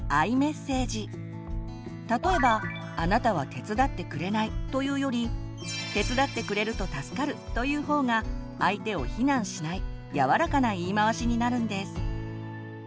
例えば「あなたは手伝ってくれない」というより「手伝ってくれると助かる」というほうが相手を非難しない柔らかな言い回しになるんです。